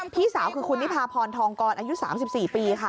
พี่สาวคือคุณนิพาพรทองกรอายุ๓๔ปีค่ะ